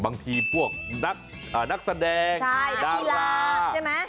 บางทีพวกนักแสดงดาราใช่ไหม